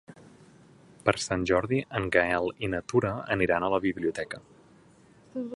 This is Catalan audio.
Per Sant Jordi en Gaël i na Tura aniran a la biblioteca.